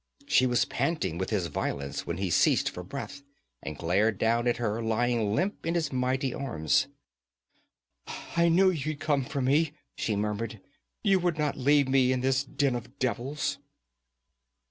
She was panting with his violence when he ceased for breath, and glared down at her lying limp in his mighty arms. 'I knew you'd come for me,' she murmured. 'You would not leave me in this den of devils.'